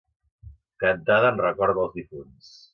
Cantada en record dels difunts.